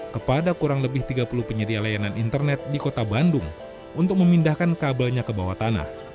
kepada kurang lebih tiga puluh penyedia layanan internet di kota bandung untuk memindahkan kabelnya ke bawah tanah